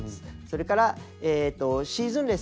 それからシーズンレス。